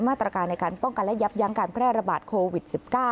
มาตรการในการป้องกันและยับยั้งการแพร่ระบาดโควิด๑๙